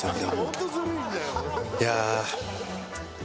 いや。